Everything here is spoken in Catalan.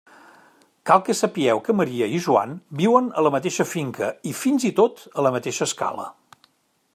Cal que sapieu que Maria i Joan viuen a la mateixa finca i, fins i tot, a la mateixa escala.